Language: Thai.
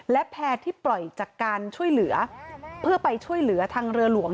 และแพร่ที่ปล่อยจากการช่วยเหลือเพื่อไปช่วยเหลือทางเรือหลวง